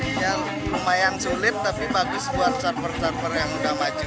ombaknya lumayan sulit tapi bagus buat surfer surfer yang sudah maju